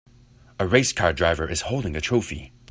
A race car driver is holding a trophy.